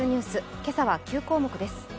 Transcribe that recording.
今朝は９項目です。